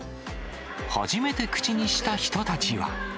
初めて口にした人たちは。